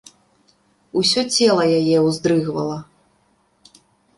Усё цела яе ўздрыгвала.